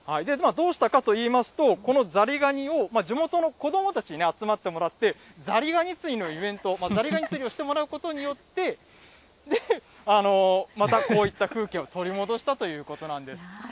どうしたかといいますと、このザリガニを、地元の子どもたちに集まってもらって、ザリガニ釣りのイベント、ザリガニ釣りをしてもらうことによって、またこういった風景を取り戻したということなんです。